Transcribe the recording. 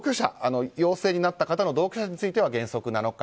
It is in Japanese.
陽性になった方の同居者については原則、７日。